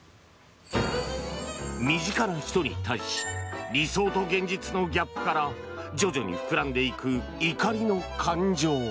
身近な人に対し理想と現実のギャップから徐々に膨らんでいく怒りの感情。